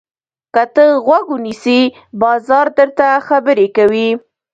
که ته غوږ ونیسې، بازار درته خبرې کوي.